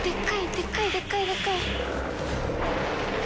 でっかいでっかいでっかい。